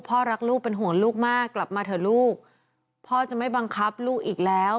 พ่อรักลูกเป็นห่วงลูกมากกลับมาเถอะลูกพ่อจะไม่บังคับลูกอีกแล้ว